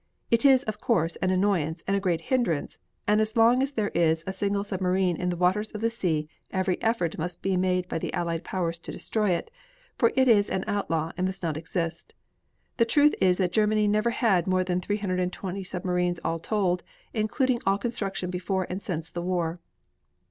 It is, of course, an annoyance and a great hindrance, and as long as there is a single submarine in the waters of the sea every effort must be made by the allied powers to destroy it, for it is an outlaw and must not exist. The truth is that Germany never had more than 320 submarines all told, including all construction before and since the war.